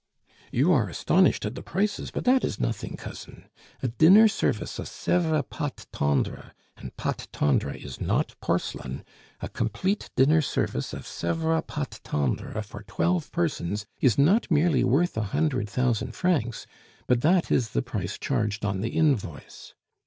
"You are astonished at the prices, but that is nothing, cousin. A dinner service of Sevres pate tendre (and pate tendre is not porcelain) a complete dinner service of Sevres pate tendre for twelve persons is not merely worth a hundred thousand francs, but that is the price charged on the invoice.